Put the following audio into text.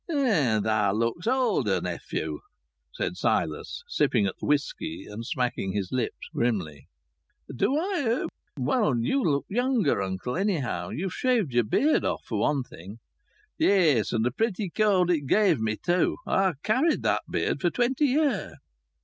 "Thou looks older, nephew," said Silas, sipping at the whisky, and smacking his lips grimly. "Do I? Well, you look younger, uncle, anyhow. You've shaved your beard off, for one thing." "Yes, and a pretty cold it give me, too! I'd carried that beard for twenty year."